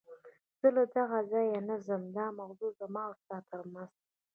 زه له دغه ځایه نه ځم، دا موضوع زما او ستا تر منځ.